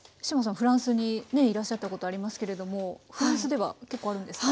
フランスにねいらっしゃったことありますけれどもフランスでは結構あるんですか？